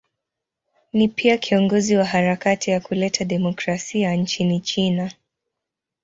Ni pia kiongozi wa harakati ya kuleta demokrasia nchini China.